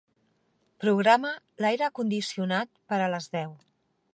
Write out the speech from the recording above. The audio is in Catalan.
Programa l'aire condicionat per a les deu.